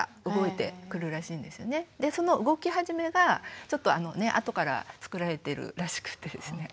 でその動き始めがちょっと後から作られているらしくてですね。